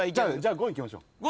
じゃあ５いきましょう。